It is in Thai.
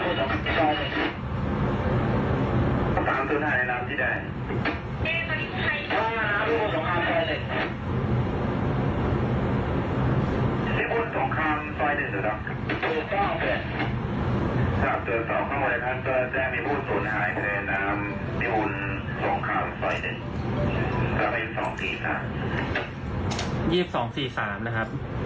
น้ำพี่บูนสงคราม๑แล้ว๒๒๔๓นะครับ